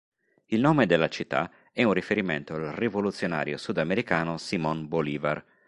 Il nome della città è un riferimento al rivoluzionario sudamericano Simón Bolívar.